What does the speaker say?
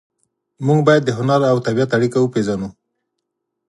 موږ باید د هنر او طبیعت اړیکه وپېژنو